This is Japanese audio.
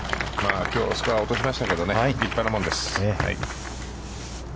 きょうスコアを落としましたけれども、立派なもんです。